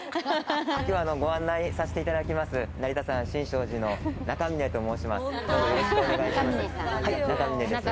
今日ご案内させていただきます、成田山新勝寺の中峰と申します。